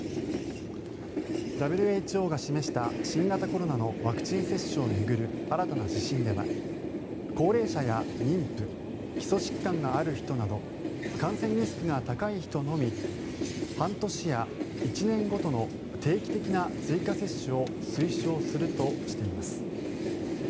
ＷＨＯが示した新型コロナのワクチン接種を巡る新たな指針では高齢者や妊婦基礎疾患がある人など感染リスクが高い人のみ半年や１年ごとの定期的な追加接種を推奨するとしています。